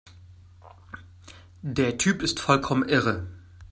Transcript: Der Typ ist vollkommen irre!